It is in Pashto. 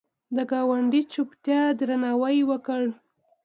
د ګاونډي چوپتیا درناوی وکړه